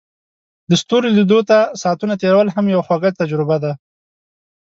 د ستورو لیدو ته ساعتونه تیرول هم یوه خوږه تجربه ده.